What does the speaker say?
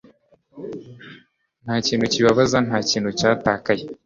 Nta kintu kibabaza nta kintu cyatakaye